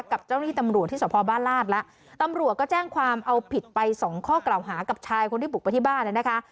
กับเจ้าหน้าที่ตำรวจที่สพบ้านราชแล้วตำรวจก็แจ้งความเอาผิดไปสองข้อกล่าวหากับชายคนที่บุกไปที่บ้านนะคะ